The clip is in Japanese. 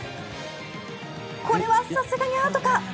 これはさすがにアウトか。